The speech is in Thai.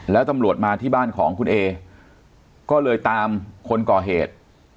แล้วตำรวจมาที่บ้านของคุณเอก็เลยตามคนก่อเหตุ